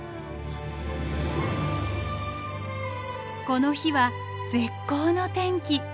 この日は絶好の天気。